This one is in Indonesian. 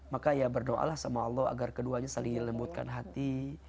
maka ya berdoalah sama allah agar keduanya saling lembutkan hati